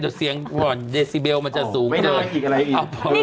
เดี๋ยวเสียงหล่อนเดซิเบลมันจะสูงเกินเลยนะครับอ้าวพอเลย